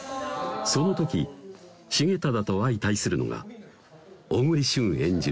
その時重忠と相対するのが小栗旬演じる